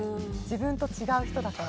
自分と違う人だから。